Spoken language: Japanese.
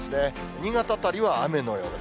新潟辺りは雨のようです。